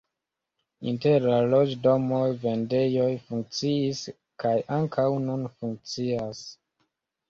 Inter la loĝdomoj vendejoj funkciis kaj ankaŭ nun funkcias.